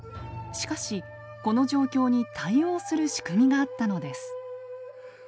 しかしこの状況に対応する仕組みがあったのです。